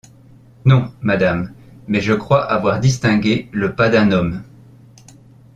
Non, madame, mais je crois avoir distingué le pas d’un homme.